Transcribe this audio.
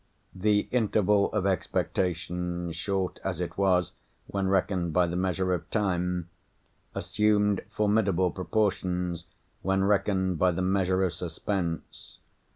The interval of expectation, short as it was when reckoned by the measure of time, assumed formidable proportions when reckoned by the measure of suspense.